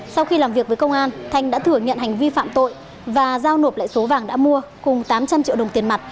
sau khi làm việc với công an thành đã thừa nhận hành vi phạm tội và giao nộp lại số vàng đã mua cùng tám trăm linh triệu đồng tiền mặt